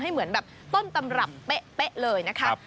เหมือนแบบต้นตำรับเป๊ะเลยนะคะ